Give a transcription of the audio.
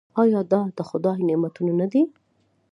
آیا دا د خدای نعمتونه نه دي؟